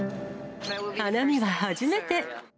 花見は初めて！